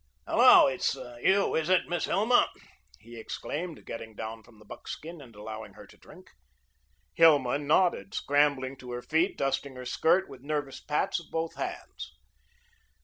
"Hello, it's you, is it, Miss Hilma?" he exclaimed, getting down from the buckskin, and allowing her to drink. Hilma nodded, scrambling to her feet, dusting her skirt with nervous pats of both hands.